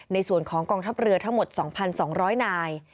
ในส่วนของกองทัพเรือทั้งหมด๒๒๐๐นาย